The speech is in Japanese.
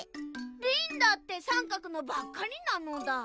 リンだってさんかくのばっかりなのだ。